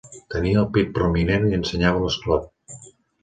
Tenia el pit prominent i ensenyava l'escot.